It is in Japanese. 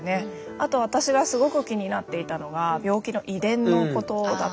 あと私がすごく気になっていたのが病気の遺伝のことだったんですね。